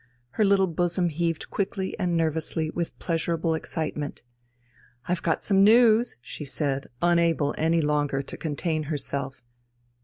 Her little bosom heaved quickly and nervously with pleasurable excitement. "I've got some news," she said, unable any longer to contain herself.